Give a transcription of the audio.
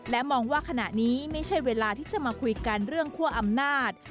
และมองว่าขณะนี้ไม่ใช่เวลาที่จะมาคุยกันเรื่องคั่วอำนาจ